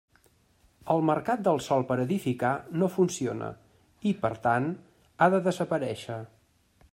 El mercat del sòl per edificar no funciona i, per tant, ha de desaparéixer.